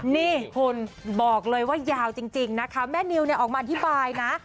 นี่คุณบอกเลยว่ายาวจริงนะคะแม่นิวเนี่ยออกมาอธิบายนะ